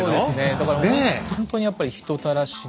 だからほんとにやっぱり人たらしで。